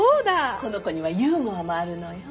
この子にはユーモアもあるのよ。